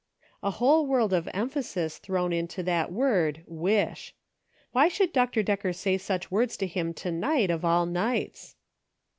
A whole world of emphasis thrown into that word "Wisli." Why should Dr. Decker say such words to him to night of all nights